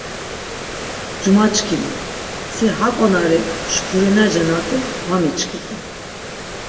Cuma çkimi, si haǩonari mşkurinace na t̆i, va miçkit̆u.